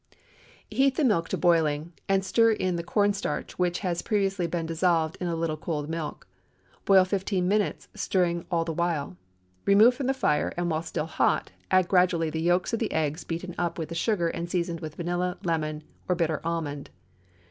Heat the milk to boiling, and stir in the corn starch, which has previously been dissolved in a little cold milk. Boil fifteen minutes, stirring all the while. Remove from the fire, and while still hot, add gradually the yolks of the eggs beaten up with the sugar and seasoned with vanilla, lemon, or bitter almond.